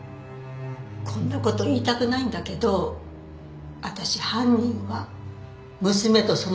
こんな事言いたくないんだけど私犯人は娘とその亭主だと思うの。